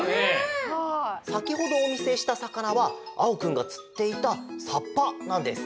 さきほどおみせしたさかなはあおくんがつっていたサッパなんです。